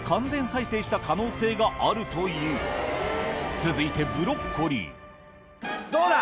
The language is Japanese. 続いてブロッコリーどうだ？